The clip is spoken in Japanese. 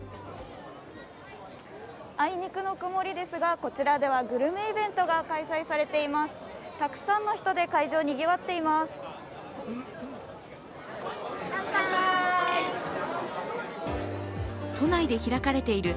あいにくの曇りですが、こちらではグルメイベントが開催されています。